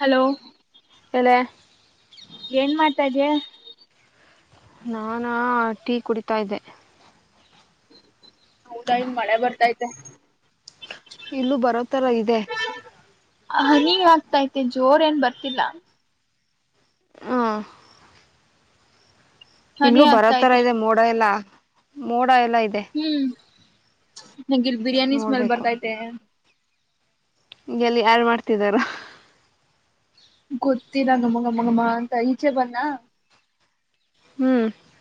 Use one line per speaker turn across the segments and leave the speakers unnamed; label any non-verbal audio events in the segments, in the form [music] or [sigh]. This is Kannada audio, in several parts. ಹಲೋ
ಎಲೆ
ಏನ್ ಮಾತಾ ಇದ್ಯಾ
ನಾನಾ ಟೀ ಕುಡಿತಾ ಇದ್ದೆ
ಹೌದಾ ಇನ್ ಮಳೆ ಬರ್ತೈತೆ
ಇಲ್ಲೂ ಬರೋ ತರ ಇ
ಹನಿ ಆಗ್ತೈತೆ ಜೋರ ಏನ್ ಬರ್ತಿಲ್ಲ
ಹ
ಹನಿ
ಇಲ್ಲೂ ಬರೋತರ
ಆಗ್ತೈತೆ
ಇದೆ ಮೋಡ ಎಲ್ಲ ಎಲ್ಲ ಇದೆ
ಹ್ಮ್ ನಗ ಬಿರಿಯಾನಿ ಸ್ಮೆಲ್
ನೋಡಬೇಕು
ಬರ್ತೈತೆ
ಎಲ್ಲಿ ಯಾರು ಮಾಡ್ತಿದಾರ
ಗೊತ್ತಿ ನಂಗಮ್ಮಗ ಮಗಮ್ಮ ಅಂತ ಈಚೆ ಬನ್ನ
ಹ್ಞೂ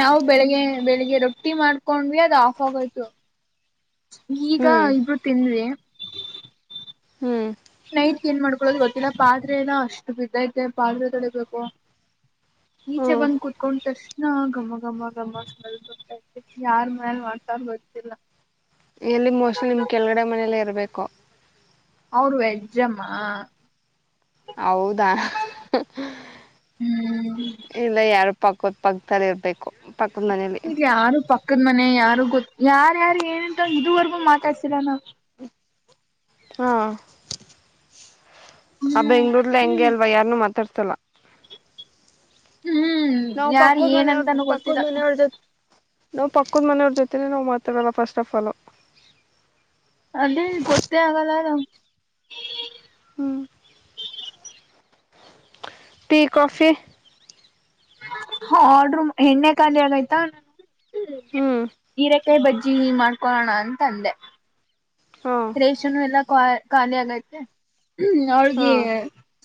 ನಾವು ಬೆಳಿಗ್ಗೆ ಬೆಳಿಗ್ಗೆ ರೊಟ್ಟಿ ಮಾಡ್ಕೊಂಡ್ವಿ ಅದು ಆಫ್ ಆಗೋಯ್ತು ಈಗ
ಹ್ಞೂ
ಇಬ್ರು ತಿನ್
ಹ್ಮ್
ನೈಟ್ಗೆ ಏನ್ ಮಾಡ್ಕೊಳೋದು ಗೊತ್ತಿಲ್ಲ ಪಾದ್ರನ ಅಷ್ಟು ಬಿದ್ದೈತೆ ಪಾದರೆ ತಡಿಬೇಕು
ಹ್ಞೂ
ನೀಚೆ ಬಂದು್ ಕುೂತ್ಕೊಂಡಷ್ಟ ಹಾ ಗಮ್ಮ ಗಮ್ಮ ಗಮ್ಮಲ್ ಗೊಡ್ತತಿ ಯಾರ್ ಮೇಲ್ ಮಾಡ್ತಾಾರ ಗರ್ತ್ತಲ್ಲ
ಎಲ್ಲಿ ಮೋಷನಲ್ ನಿಮ್ ಕೆಳಗಡೆ ಮನೇಲ್ಲ ಇರ್ಬೇಕು
ಅವರು ವೆಜಮ್ಮ
ಹೌದಾ
ಹ್ಮ್ ಇಲ್ಲಿ
ಇಲ್ಲ ಯಾರ ಪಕ್ಕದ ಪಕ್ಕದಲ್ಲಿ ಇರಬೇಕು ಪಕ್ಕದ ಮನೇಲಿ
ಅದ ಮನೆ ಯಾರು ಗೊತ್ ಯಾರ ಯಾರು ಏನಂತ ಇದುವರೆಗೂ ಮಾತಾಡ್ಸೀರ ನ
ಹಾ ಆ
ಹ್ಮ್
ಬೆಂಗಳೂರ್ಲ ಎಂಗೆ
ಹ್ಮ್
ಅಲ್ವಾ ಯಾರನ್ನು ಮಾತಾಡಸಲ್ಲ
ಹ್ಮ್
ನಾವು
ಯಾರ್
ಪಕ್ಕದ್ ಮನೆಯವರದ
ಏನಂತಾನೂ
ಪಕ್ಕದ
ಗೊತ್ತಿಲ್ಲ
ಮನೆಯವಳ್ ಜೊತೆ ನಾವು ಪಕ್ಕದ ಮನೆಯವ್ರ ಜೊತೆನೆ ನಾವು ಮಾತಾಡಲ್ಲ ಫಸ್ಟ್ ಆಫ್ ಪಾಲು
ಅದೇ ಗೊತ್ತೇ ಆಗಲ್ಲ ನಮ್ ಕೀ
ಹಾ ಟಿ ಕಾಫಿ
ಕಿಕಿ ಹಾಡ್ರುಮ್ ಎಣ್ಣೆ ಖಾಲಿ ಆಗಯ್ತಾ ಹು
ಹ್ಮ್
ನೀರೇ ತ್ತೆ ಬಜ್ಜಿ ನೀ ಮಾಡ್ಕೊಳೋನಾ ಅಂತ ಅಂದೆ
ಹಾ
ರೇಷನು ಎಲ್ಲ ಕೋಯ್ ಖಾಲಿ ಆಗೈತೆ
ಹಾ
ಅವಳಗೆ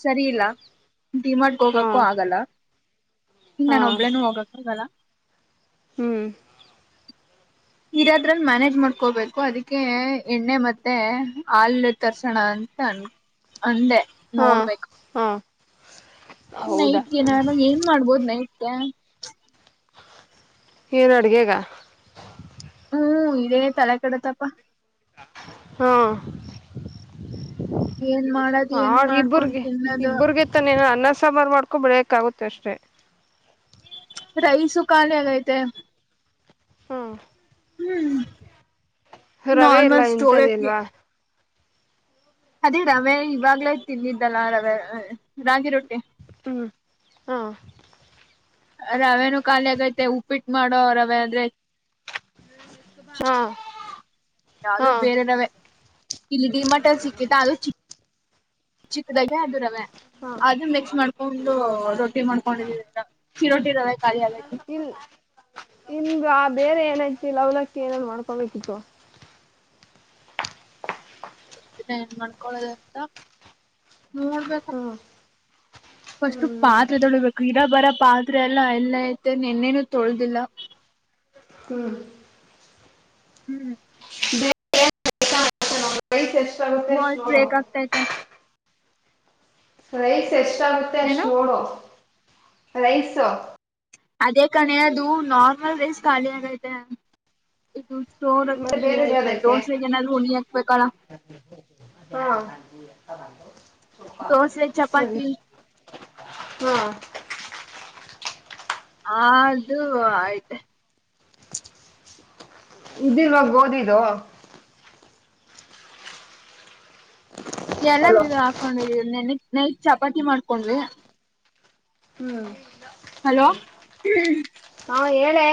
ಸರಿ ಇಲ್ಲಾ ಡಿ ಮಾರ್ಟ ಗು
ಹಾ
ಹೋಗಕು ಆಗಲ್ಲಾ ಇನ್ನ ನಾನ ಒಬ್ಬಳೇನು ಹೋಗಕ್ ಹೋಗಲ್ಲಾ
ಹು
ನೀರದ್ರಲ್ ಮ್ಯಾನೇಜ್ ಮಾಡ್ಕೋಬೇಕು ಅದಕ್ಕೆ ಎಣ್ಣೆ ಮತ್ತೆ ಹಾಲ್ ತರ್ಸೋಣಾ ಅಂತಾ ಅಂದೆ
ಹಾ
ನೋಡ್ಬೇಕು
ಹಾ
ನೈಟ್ಗೆನಾರ ಏನ್ ಮಾಡ್ಬೋದು ನೈಟ್ಗೆ ಪ್ಚ್
ಏನ ಅಡಗೆಗಾ
ಹು ಇದೇ ತಲೆ ಕೆಡತಪ್ಪಾ
ಟಕ್ ಹಾ
ಏನ್ ಮಾಡದ್
ಹಾ
ಏನ್ ಮಾಡ್ಕೊಂಡ್
ಇಬ್ಬರ್ಗೆ
ತಿನ್ನದು
ಇಬ್ಬರ್ಗೆ ತಾನೆ ಏನರಾ ಅನ್ನಾ ಸಾಂಬಾರ್ ಮಾಡ್ಕೊಂಡೆ ಏಕ್ಆಗುತ್ತೆ ಅಷ್ಟೇ
ಪ್ಚ್ ರೈಸು ಖಾಲಿ ಆಗೈತೆ
ಹು
ಹು
ರವೆ ಇಲ್ಲ
ನಾರ್ಮಲ್ ಸ್ಟೋರ್
ಇಂಥದ್ದ
ಅಕ್ಕಿ
ಇಲ್ವಾ
ಅದೇ ರವೆ ಇವಾಗ್ಲೇ ತಿಂದಿದ್ದಲ್ಲಾ ಅ ಅ ರವೆ ರಾಗಿ ರೊಟ್ಟಿ
ಹು ಹಾ
ಅ ರವೇನು ಖಾಲಿ ಆಗೈತೆ ಉಪ್ಪಿಟ್ಟು ಮಾಡೋ ರವೆ ಆದ್ರೆ ಚೀ
ಹಾ
ಯಾವುದು
ಹಾ
ಬೇರೆರವೇ ಇಲ್ಲಿ ಡಿ ಮಾರ್ಟ್ ಸಿಕ್ಕಿತಾ ಅದು ಚಿ ಚಿಕ್ಕದಾಗೆ ಅದು ರವೆ
ಹಾ
ಅದು ಮಿಕ್ಸ್ ಮಾಡ್ಕೊಂಡು
ಹಾ
ರೊಟ್ಟಿ ಮಾಡ್ಕೊಂಡಿದದ ಚಿರೋಟಿ ರವೆ ಖಾಲಿ ಆಗೈತೆ [unintelligible]
ಇಗಾ ಬೇರೆ ಏನಯ್ತಿ ಅವಲಕ್ಕಿ ಏನಾದ್ರು ಮಾಡ್ಕೋಬೇಕಿತ್ತು
ಇದನ್ನ ಏನ್ ಮಾಡ್ಕೊಳೋದು ಅಂತಾ ನೋಡ್ಬೇಕು
ಹ್ಮ್
ಫಸ್ಟ್
ಹ್ಮ್
ಪಾತ್ರೆ ತೊಳಬೇಕು ಇರ ಬರ ಪಾತ್ರೆ ಎಲ್ಲಾ ಎಲ್ಲ ಐತೆ ನಿನ್ನೇನು ತೊಳ್ದಿಲ್ಲಾ
ಹು
ಹು
ನನ್ನ ರೈಸು ಎಷ್ಟು ಆಗುತ್ತೆ
ವಾಯ್ಸ್
ನೋಡು
ಬ್ರೇಕ್ ಆಗ್ತೈತೆ
ಟಕ್ ರೈಸು ಎಷ್ಟಾಗುತ್ತೆ ಅಷ್ಟ್
ಏನು
ನೋಡು ರೈಸು
ಅದೇ ಕಣೆ ಅದು ನಾರ್ಮಲ್ ರೈಸ್ ಖಾಲಿ ಆಗೈತೆ ಇನ್ನುದು
ಮತ್ತೆ
ದೋರಕ್ಕಿ
ಬೇರೆ
ಐತೆ
ಯಾವ್ದೈತೆ
ದೋಸೆಗೆ ಏನಾದ್ರು ಹುಣಿ ಹಾಕ್ಬೇಕಾ
ಹಾ
ದೋಸೆ
ಸರಿ
ಚಪಾತಿ
ಹಾ
ಆದು ಐತೆ
ಪ್ಚ್ ಇದಿಲ್ವಾ ಗೋಧಿದು
ಎಲ್ಲ
ಹಲೋ
ಮೀ ಹಾಕೊಂಡಿದಿವಿ ನೆನಕಿ ನೈಟ್ ಚಪಾತಿ ಮಾಡ್ಕೊಂಡಡ್ವಿ
ಹು
ಹಲೋ ಹಂಕ್ಕ
ಹೇಳೇ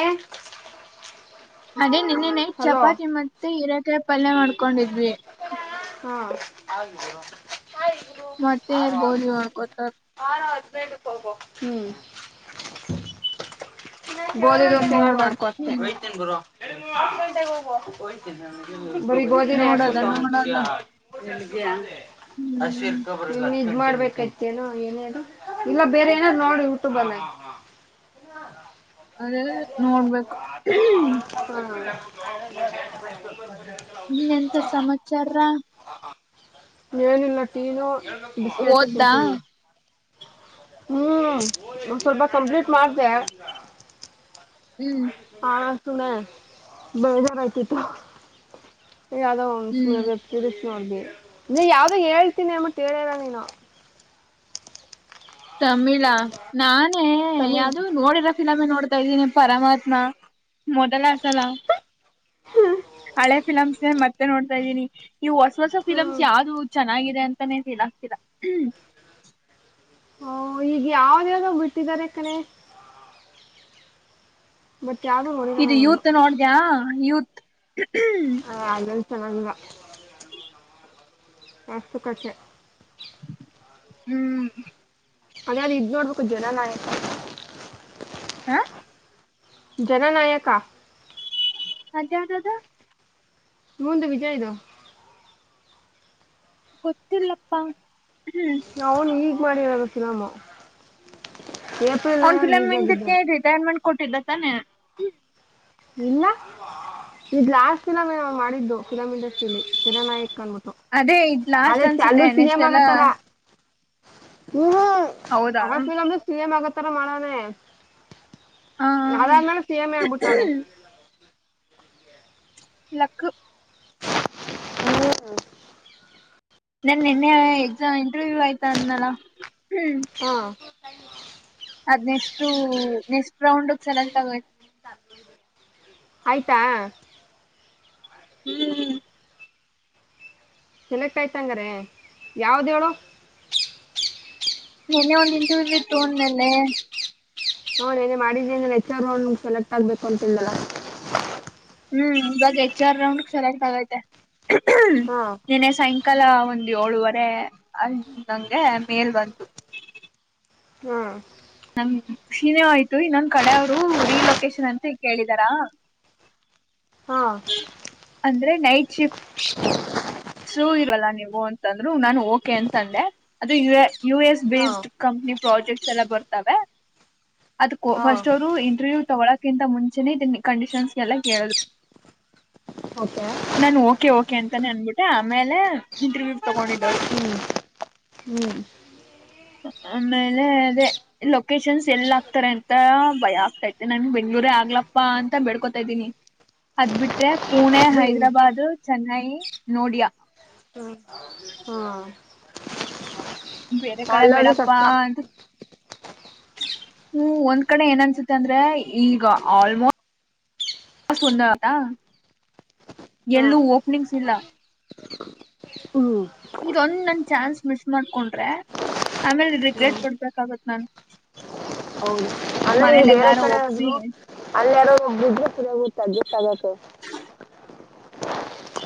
ಅದೇ ನಿನ್ನೆ ನೈಟ್ ಚಪಾತಿ ಮತ್ತೆ ಹೀರೆಕಾಯಿ ಪಲ್ಯ ಮಾಡ್ಕೊಂಡಿದ್ವಿ
ಹಾ ಹಾಯ್ ಬ್ರೋ
ಮತ್ತೆ ಗೋಲಿ ಹೋಡ್ಕೋತಾರ
ಹ್ಮ್ [inaudible] ಬೋದ ದಸ
ನೋಡದ
ಮಾಡ್ಕೊ [unintelligible] [inaudible] ಬರಿ ಗೋಧಿನೇ [unintelligible]
ನೋಡದ ನೋಡದ ಹ್ಮ್
ಮಾಡ್ಬೇಕತೇನೋ ಏನೇ ಇಲ್ಲ ಬೇರೆ ಏನಾದ್ ನೋಡ್ರ ಯುಟುಬ್ ಅಲ್ಲೇ
ಅದೇ ನೋಡ್ಬೇಕು ಇನ್ನೆಂತ
[inaudible]
[unintelligible]
ಏನಿಲ್ಲ ಟೀನು ಬಿಸ್ಕೆಟ್
ಓದ್ದಾ
ತಿಂತಿದೀವಿ ಹ್ಮ್ ಒಂದ ಸ್ವಲ್ಪ ಕಂಪ್ಲೀಟ್ ಮಾಡದೆ
ಹ್ಮ್
[unintelligible] ಬೇಜಾರಾತಿತ್ತು [unintelligible]
ಹ್ಮ್
ನೀ ಯಾವ್ದ ಹೇಳ್ತೀನಿ ಅಂಬಟ್ ಹೇಳ್ಯೇಇಲಾ ನೀನು
ತಮಿಳಾ ನಾನೇ
ತಮಿಳ್
ಯಾವ್ದು ನೋಡಿರೋ ಫಿಲ್ಮೆ ನೋಡ್ತಾ ಇದ್ದೀನಿ ಪರಮಾತ್ಮ. ಮೊದಲಸಲ ಹಳೆ ಫಿಲಮ್ಸ್ ಮತ್ತೆ ನೋಡ್ತಾ ಇದ್ದೀನಿ ಇವು ಹೊಸ ಹೊಸ ಫಿಲಮ್ಸ್
ಹ್ಮ್
ಯಾವ್ದು ಚೆನ್ನಾಗಿದೆ ಅಂತಾನೇ ಫೀಲ್ ಆಗ್ತಿಲ್ಲಾ
ಓಹ ಈಗ ಯಾವ್ದ ಯಾವ್ದ್ ಬಿಟ್ಟಿದ್ದಾರೆ ಕಣೆ ಬಟ್ ಯಾವ್ದು ನೋಡಿಲ್ಲ
ಇದು
ನಾನು
ಯೂತ್ ನೋಡ್ದ್ಯಾ ಯೂತ್.
ಹ ಅದೆಲ್ಲ ಚೆನ್ನಾಗಿಲಾ
ಹ್ಮ್
ಅಷ್ಟಕ್ ಕಷ್ಟೇ
ಹ್ಮ್
ಅದೇ ಇದ ನೋಡಬೇಕು ಜನನಾಯಕ
ಹಾ
ಜನನಾಯಕಾ
ಅದ್ಯಾವದು
ಇವಂದು ವಿಜಯದ
ಗೊತ್ತಿಲರಪ್ಪಾ
ಅವನು ಈಗ್ ಮಾಡಿರೋದ ಫಿಲಂ
ಅವನ್ ಫಿಲ್ಮ ಇದಕ್ಕೆ ರಿಟೈರ್ಮೆಂಟ್ ಕೊಟ್ಟಿದ್ದ ತಾನೆ
ಇಲ್ಲ ಇ ಲಾಸ್ಟ್ ಸಿನಮ್ ನ ಮಾಡಿದು ಫಿಲಂ ಇಂಡಸ್ಟ್ರಿಯಲ್ ಅಲ್ಲಿ ಜನನಾಯಕನದು
ಅದೇ ಇದ್ ಲಾಸ್ಟ್
ಆದೆ
ಅನ್ಸುತ್ತೆ
ಚಾಲ್ಲು ಸಿ
ನೆಕ್ಸ್ಟ್
ಎಂ
ಎಲ್ಲ
ಆಗತ್ತರಾ ಹೂ ಹೂ
ಹೌದಾ
ಅವ ಫಿಲ್ಮ್ ನೂ ಸಿ ಎಮ್ ಆಗೋತ್ತರಾ ಮಾಡನೇ
ಹ
ಅದಾನ ಸಿ ಎಮ್ ಮೆ ಆಗೀಬಿಟ್ಟೋಣೆ
ಲಕ್ಕು
ಹ್ಮ
ನಾನ್ ನಿನ್ನೆ ಎಕ್ಸಾಮ್ ಇಂಟರ್ವ್ಯೂ ಆಯ್ತಾ ಅಂದನಲಾ
ಹಾ
ಅದ್ ನೆಕಷ್ಟು ನೆಕಸ್ಟ್ ರೌಂಡ್ ಗೆ ಸೆಲೆಕ್ಟ್ ಆಗೋಯ್ತು
ಆಯ್ತಾ
ಹ್ಮ್ ಹ್ಮ್
ಸೆಲೆಕ್ಟ್ ಆಯ್ತಂಗಾರೆ ಯಾವ್ದ ಹೇಳು
ಮೋನ್ನೆ ಒಂದ್ ಇಂಟರ್ವ್ಯೂಲಿ ಇತ್ತುಡ ನಿನ್ನೆ
ನೋನ್ ಏನೇ ಮಾಡಿದಿ ಹೆಚ್ಚ ರೌಂಡಗ ಸೆಲೆಕ್ಟ್ ಆಗ್ಬೇಕು ಅಂತ ಎನೀಲ್ಲಲ
ಹ್ಮ್ ಇವಾಗ ಹೆಚ್ ಆರ್ ರೌಂಡ್ ಸೆಲೆಕ್ಟ್ ಆಗೈತೆ
ಹಾಂ
ನಿನ್ನೆ ಸಾಯಂಕಾಲ ಒಂದ್ ಏಳುವರೆ ಅಂಗೆ ಮೇಲ್ ಬಂತು
ಹ್ಮ್
ನಮ್ಮ ಶೀನೇ ಆಯ್ತು ಇನ್ನೊಂದಂದು ಕಡೆ ಅವ್ರು ರಿಲೊಕೇಶನ್ ಅಂತ ಕೇಳಿದಾರಾ ಹ್ಮ್
ಹಾಂ
ಅಂದ್ರೆ ನೈಟ್ ಶಿಫ್ಟ್ ಸೂ ಇರಲ್ಲ ನೀವು ಅಂತಂದ್ರು ನಾನು ಓಕೆ ಅಂತಂದೆ ಅದು ಯ ಯು ಎಸ್ ಬೇಸ್ಡ್
ಹಾಂ
ಕಂ ನೀ ಪ್ರಾಜೆಕ್ಟ್ಸ್ ಎಲ್ಲ ಬರ್ತಾವ ಅದಕೋ
ಹಾಂ
ಫಸ್ಟ್ ಅವರು ಇಂಟರ್ವ್ಯೂ ತಗೊಳಕ್ಕಿಂತ ಮುಂಚೆನೆ ಕಂಡೀಷನ್ಸ್ಗೆಲ್ಲ ಕೇಳರು
ಓಕೆ
ನಾನು ಓಕೆ ಓಕೆ ಅಂತಾನೆ ಅನ್ಬಿಟ್ಟ ಮತ್ತೆ ಆಮೇಲೆ ಇಂಟ್ರವ್ಯೂ ತಗೊಂಡಿದ್ದವರು
ಹ್ಮ್
ಆಮೇಲೆ ಅದೇ ಲೊಕೇಶನ್ಸ್ ಎಲ್ಲ ಆಗ್ತಾರೆ ಅಂತ ಭಯ ಆಗ್ತೈತೆ ನನ್ ಎಂಗೂರ ಆಗ್ಲಪ್ಪಾ ಅಂತ ಬೆಡ್ಕೊತ ಇದೀನಿ ಅದ್ ಬಿಟ್ರೆ ಪುಣೆ
ರೀ
ಹೈದರಾಬಾಾದ ಚೆನ್ನೈ ನೋಡಿಯಾ
ಹಾಂ ಹಾಂ
ಬೇರೆ ಕಡೆ ಬೇಡಪ್ಪಾ
ಕಷ್ಟ
ಅಂತ ಹ್ಮ್ ಒಂದ್ ಕಡೆ ಏನನ್ಸುತ್ತೆ ಅಂದ್ರೆ ಈಗ ಆಲ್ಮೋಸ್ಟ್ ಎಲ್ಲೂ
ಹಾಂ
ಓಪನಿಂಗ್ಸ್ ಇಲ್ಲ
ಹ್ಮ್
ಇದೊಂದ್ ನನ್ ಚಾನ್ಸ್ ಮಿಸ್ ಮಾಡ್ಕೊಂಡ್ರೆ ಆಮೇಲೆ
ಹ್ಮ್
ರಿಗ್ರೆಟ್ ಕೊಡ್ಬೇಕಾಗತ್ ನನ್
ಹೌದು ಅಂದ್ರೆ ಈಗ ಬೇರೆ ಕಡೆ
ಒಪ್ಸಿ
ಹೋದ್ರು ಅಲ್ಲಿಾರು ಹೋಗಬಿದ್ರುತ್ತ ಅಡ್ಜಸ್ಟ್ ಆಗುತ್ತೆ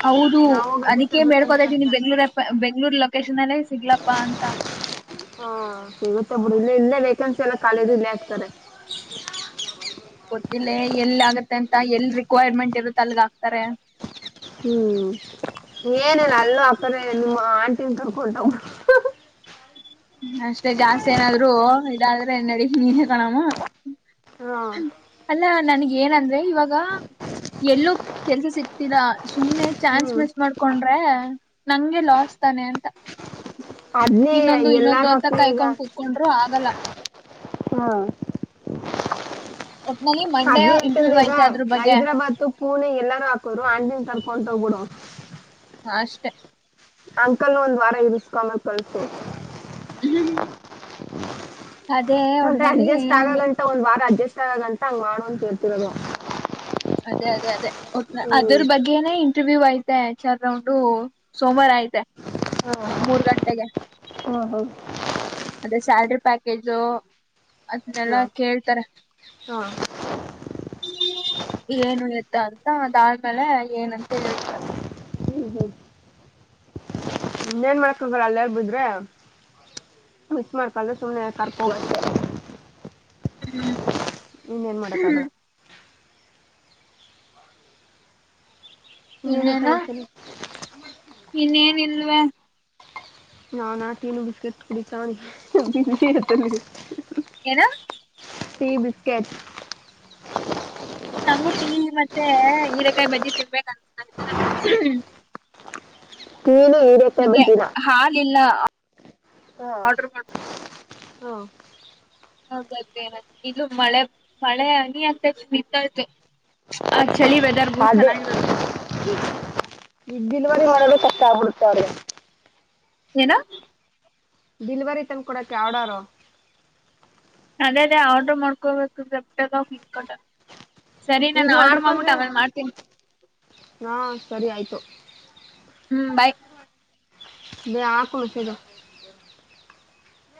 ಹೌದು
ಅಡ್ಜಸ್ಟ್
ಅದಕ್ಕೆೇ
ಆಗ್ಬೇಕಂದ್ರೆ
ಮೇಡ್ಕೋತ
ಕಷ್ಟ
ಇದೀನಿ ಬೆಂಗ್ಳೂರ ಬೆಂಗ್ಳೂರ್ಲ್ಲ ವಕೇಶನ್ಲ್ಲೇ ಸಿಗ್ಲಪ್ಪಾ ಅಂತ
ಹಾ ಇವತ್ತೊಬ್ರು ಇಲ್ಲ ಇಲ್ಲೇ ವೇಕೆನ್ಸಿ ಎಲ್ಲ ಕಖಾಲದು ಇಲ್ಲೇ ಆಗ್ತಾರೆ
ಗೊತ್ತಿಲ್ಲ ಎಲ್ ಆಗತ್ತೆ ಅಂತ ಎಲ್ ರಿಕ್ವೈರ್ಮೆಂಟ್ ಇರುತ್ತೆ ಅಲ್ಗ ಆಾಕ್ತಾರೆ
ಹ್ಮ್ ಏನಿಲ್ಲ ಅಲ್ಲೂ ಅಕರ ನಿಮ್ಮ ಆಂಟಿನ್ ತರ್ಕೊೊಂಡವ
[inaudible] ಅಷ್ಟೇ ಜಾಸ್ತಿ ಏನಾದ್ರು ಇದಾದ್ರೆಡ ನೀನೇ ಕಣಾಮ
ಹ
ನನ್ಗ ಏನಂದ್ರೆ ಇವಾಗ ಎಲ್ಲೂ ಕೆಲ್ಸ ಸಿಕ್ತಿದ ಸುಮ್ನೆ ಚಾನ್ಸ್
ಹ್ಮ್
ಮಿಸ್ ಮಾಡ್ಕೊಂಡ್ರೆ ನಂಗೆ ಲಾಸ್ ತಾನೆ ಅಂತ
ಅದ್ನೇ
ಇನ್ನೊಂದು ಇನ್ನೊಂದು
ಎಲ್ಲಾರು
ಅಂತ
ಅಷ್ಟ ಈಗ
ಕಾಯ್ಕೊಂಡ್ ಕೂತ್ಕೊಂಡ್ರು ಆಗಲ್ಲ
ಹಾ
ಒಟ್ನಲ್ಲಿ ಮಂಡೇ
ಅಜೆ ಇರ್ತದ
ಇಂಟರ್ವ್ಯೂ
ಈಗ
ಐತೆ ಅದ್ರ ಬಗ್ಗೆ
ಹೈದ್ರಾಬಾದ ಪುಣೆ ಎಲ್ಲಾರೂ ಹಾಕೋ್ರು ಅಂಡನ್ ಕರ್ಕೊಂಡ ಹೋಗ್ಬಿಡು
ಹ ಅಷ್ಟೆ
ಅಂಕಲ್ ಒಂದ್ ವಾರ ಇಸ್ಕೊಾಮ ಕಳ್ಸ
ಅದೇ
ತೊಂಡ್ರೆ
ಒಟ್ನಲ್ಲಿ
ಅಡ್ಜಸ್ಟ್ ಆಗಗಂತ ಒಂದ್ ವಾರ ಅಡ್ಜಸ್ಟ್ ಆಗಗಂತ ಹಂಗ್ ಮಾಡು ಅಂತ ಕೇಳ್ತಿರ ನವು
ಅದೇ ಅದೇ ಅದೇ ಅದ್ರ ಬಗ್ಗೆನಟ ಇಟವ್ಯೂ ಐತೆ ಚಾರ್ ರೌಂಡು ಸೋಮವಾರ ಐತೆ ಮೂರ್ ಗಂಟೆಗೆ
ಹಾ ಹೌ
ಅದೇ ಸ್ಯಾಲ್ರಿ ಪ್ಯಾಕೇಜು ಅದನ್ನಲ್ಲಾ ಕೇಳ್ತಾರೆ ಏನು ಇ್ದ ಅಂತ ಅದಾದ್ಮೇಲೆ ಏನಂತ ಹೇಳ್ತಾರೆ
ಇನ್ನ ಏನ್ ಮಾಡಕೋಗರ ಅಲ್ಲಾರ ಬುದ್ರೆ ಮಿಸ ಮಾಡ್ಕಲ್್ದ ಸುಮ್ನೆ ಕರ್ಕೋೋಗ
ಹ್ಮ್
ಇನ್ೇನ್ ಮಾಡಕ್ಕ ಆಗಲ್ಲ ನೇನೇ ಚಬರ್ತಲ್ಲ
ಇನ್ನೇನ ಇಲ್ವಾ
ನಾಾನಾಟೀನು ಬಿಿಸ್ಕಿಟ್ ಕುಡ ಚತ್ತ
ಏನಾ
ಟೀ ಬಿಿಸ್ಕೆಟ್
ನಂಗುಟೀ ಮತ್ತೆ ಹೀರೆಕಾಯಿ ಬಜ್ಜಿ ತಿನ್ಬೇಕ ಅನ್ಸ್ತರ
ಕೀಲಿ ಹರಕ ಬಜರ
ಆಡರ್ ಮಾಡಡ
ಹಾ
ಹೌ ಇಲ್ಲ ಮಳೆ ಮಳೆನಿ ಅಂತ ನಿಂತಾಯು ಅ ಚಳಿ ವೆದರ್ಗೂ ಚೆನ್ನಾಗಿರುತ್ತೆ ಅಂತ
ಈ ದಿನವನೆ ಮಾಡಬೇಕ ಕಷ್ಟ ಆಗ್ಬಿಡುತ್ತೆ ಅವ್ರಿಗೆ
ಏನಾ
ಡೆಲಿವರಿ ತಂದು ಕೊೊಡೋಕ್ಕೆ ಆರ್ಡರು
ಅದೇ ಅದೇ ಆರ್ಡರ್ ಮೊಡ್ಕಬೇಕ ಗ ಹಟ ಸರಿ
ಈಗ
ನಾನು ಆರ್ಡ್ರ ಮಾಡ್ಬಿಟ್ಟು
ಮಾಡ್ಕೊಂಡ್ರೆ
ಅವೇಾಗ ಮಾಡ್ತೀನಿ
ಹಾಂ ಸರಿ ಆಯಿತು
ಹ್ಮ್ ಬಾಯ್
ಬ ಆ ಕುಳಫಿರ